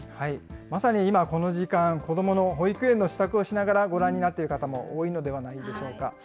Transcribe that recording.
まさに今、この時間、子どもの保育園の支度をしながらご覧になっている方も多いのではないでしょうか。